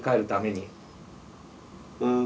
うん。